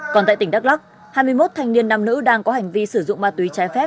còn tại tỉnh đắk lắc hai mươi một thanh niên nam nữ đang có hành vi sử dụng ma túy trái phép